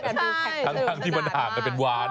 ทั้งที่มันห่างกันเป็นวาน